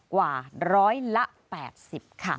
กว่า๑๘๐ล้านบาทค่ะ